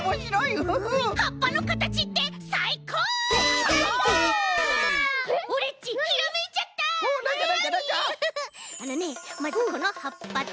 ウフフあのねまずこのはっぱと。